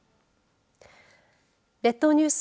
列島ニュース